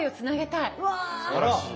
すばらしい。